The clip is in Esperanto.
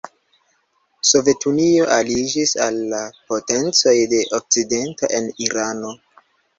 Sovetunio aliĝis al la potencoj de Okcidento en Irano.